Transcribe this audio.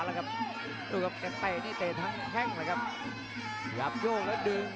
ดูกับแก่งแต่งทั้งแค่งหยับโยกแล้วดึง